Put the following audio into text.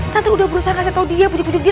tante udah berusaha kasih tau dia pujuk pujuk dia